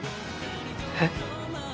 えっ？